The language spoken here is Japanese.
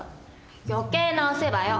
余計なお世話よ。